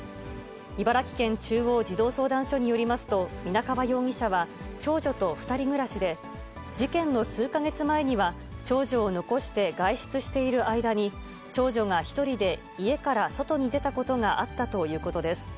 茨城県中央児童相談所によりますと、皆川容疑者は長女と２人暮らしで、事件の数か月前には、長女を残して外出している間に、長女が１人で家から外に出たことがあったということです。